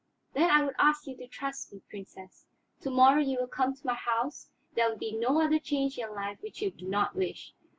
"Then I would ask you to trust me, Princess. To morrow you will come to my house; there will be no other change in your life which you do not wish.